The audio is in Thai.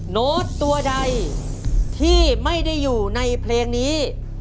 โน้ตตัวใดที่ไม่ได้อยู่ในเพลงนี้